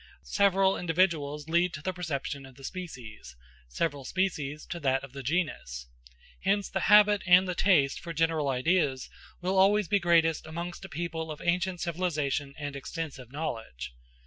Several individuals lead to the perception of the species; several species to that of the genus. Hence the habit and the taste for general ideas will always be greatest amongst a people of ancient cultivation and extensive knowledge.